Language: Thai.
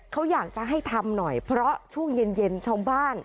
เขาอยากจะให้ทำหน่อยเพราะช่วงเย็นเย็นชาวบ้าน